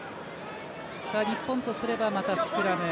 日本とすれば、またスクラム。